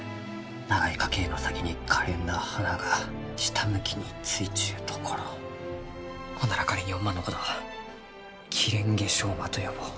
長い花茎の先にかれんな花が下向きについちゅうところほんなら仮におまんのことはキレンゲショウマと呼ぼう。